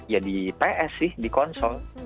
ya di ps sih di konsol